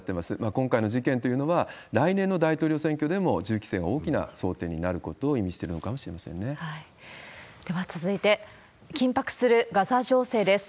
今回の事件というのは、来年の大統領選挙でも銃規制が大きな争点になることを意味していでは続いて、緊迫するガザ情勢です。